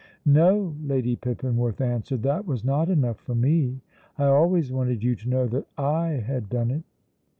"No," Lady Pippinworth answered, "that was not enough for me. I always wanted you to know that I had done it."